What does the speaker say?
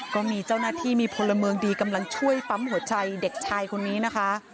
ก็มีเจ้าหน้าที่มีพลเมืองดีกำลังช่วยปั๊มหัวใจเด็กชายคนนี้นะคะ